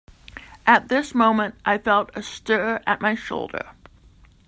At this moment I felt a stir at my shoulder.